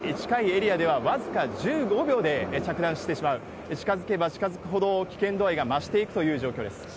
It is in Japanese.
１分、３０秒、そしてガザ地区に近いエリアでは、僅か１５秒で着弾してしまう、近づけば近づくほど危険度合いが増していくという状況です。